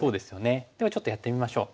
ではちょっとやってみましょう。